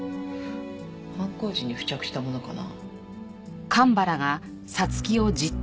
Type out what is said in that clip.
犯行時に付着したものかな？